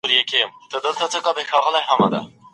پخواني پاچاهان به په نارنج ماڼۍ کې اوسېدل.